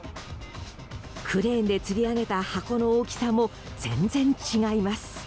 クレーンでつり上げた箱の大きさも全然違います。